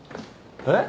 えっ？